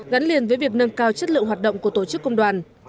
gắn liền với việc nâng cao chất lượng hoạt động của tổ chức công đoàn